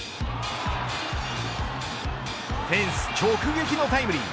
フェンス直撃のタイムリー